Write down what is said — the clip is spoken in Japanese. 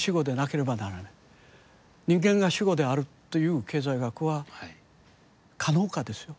人間が主語であるという経済学は可能かですよ。